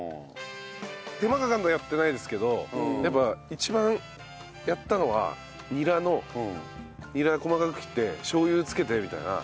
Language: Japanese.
手間かかるのはやってないですけどやっぱ一番やったのはにらのにら細かく切ってしょう油つけてみたいな。